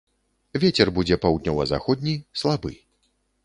Вецер будзе паўднёва-заходні, слабы.